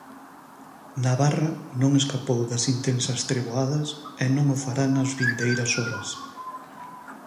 Navarra non escapou das intensas treboadas e non o fará nas vindeiras horas.